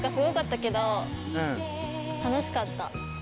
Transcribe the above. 楽しかった？